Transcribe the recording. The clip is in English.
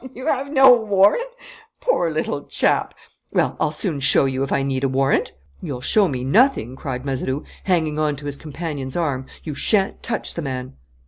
"You have no warrant? Poor little chap! Well, I'll soon show you if I need a warrant!" "You'll show me nothing," cried Mazeroux, hanging on to his companion's arm. "You shan't touch the man."